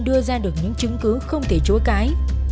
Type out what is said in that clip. đưa ra được những chứng cứ không thể chối cãi